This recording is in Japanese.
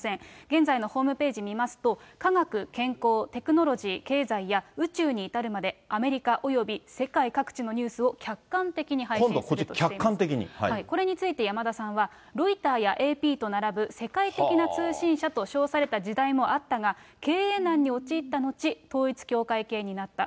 現在のホームページ見ますと、科学、健康、テクノロジー、経済や宇宙に至るまで、アメリカおよび世界各地のニュースを客観的に配信するとしていま今度こっち、これについて、山田さんは、ロイターやＡＰと並ぶ世界的な通信社と称された時代もあったが、経営難に陥った後、統一教会系になった。